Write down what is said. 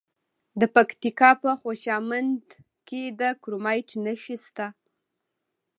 د پکتیکا په خوشامند کې د کرومایټ نښې شته.